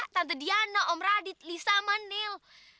tante diana om radit lisa sama nel